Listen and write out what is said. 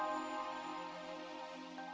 ayolah gitu udutnya